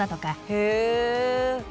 へえ。